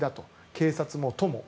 警察も都も。